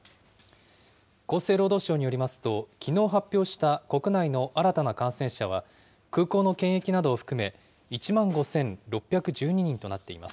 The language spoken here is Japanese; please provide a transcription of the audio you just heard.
厚生労働省によりますと、きのう発表した国内の新たな感染者は、空港の検疫などを含め、１万５６１２人となっています。